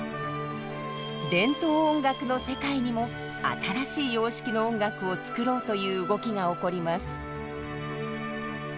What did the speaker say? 伝統音楽の世界にも新しい様式の音楽を作ろうという動きが起こります。